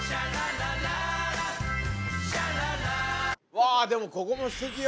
わあでもここも素敵よ？